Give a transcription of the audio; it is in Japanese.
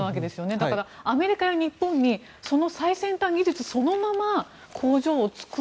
だから、アメリカや日本にその最先端技術をそのまま工場を作る。